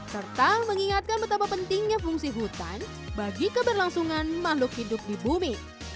serta mengingatkan betapa pentingnya fungsi hutan bagi keberlangsungan makhluk hidup di bumi